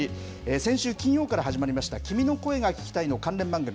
先週金曜から始まりました、君の声が聴きたいの関連番組。